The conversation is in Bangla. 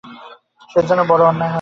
সে যে বড়ো অন্যায় হবে।